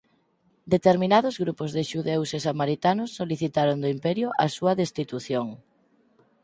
Determinados grupos de xudeus e samaritanos solicitaron do Imperio a súa destitución.